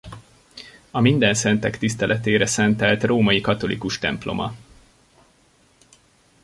A Mindenszentek tiszteletére szentelt római katolikus temploma.